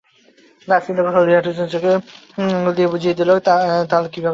Nasirnagar, Holey Artisan চোখে আঙুল দিয়ে বুঝিয়ে দেয় তাল কীভাবে কাটছে।